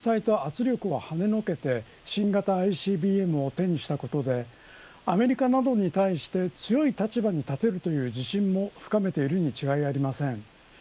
金総書記は日米韓の最大限の制裁と圧力をはねのけて新型ＩＣＢＭを手にしたことでアメリカなどに対して強い立場に立てるという自信も深めているに違いありません。